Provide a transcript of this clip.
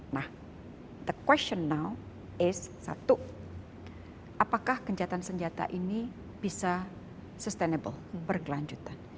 nah the question now is satu apakah kencatan senjata ini bisa sustainable berkelanjutan